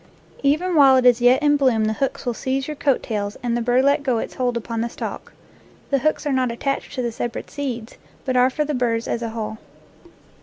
Even while it is yet in bloom the hooks will seize your coat tails and the burr let go its hold upon the stalk. The hooks are not attached to the separate seeds, but are for the burrs as a whole.